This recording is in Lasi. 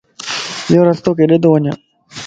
يورستو ڪيڏي تو وڃ؟